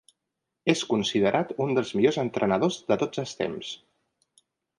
És considerat un dels millors entrenadors de tots els temps.